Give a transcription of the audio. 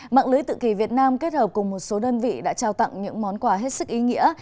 mạng lưới tự kỳ việt nam kết hợp cùng một số đơn vị đã trao tặng những món quà hết sức ý nghĩa